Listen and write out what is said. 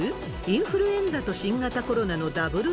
インフルエンザと新型コロナのダブル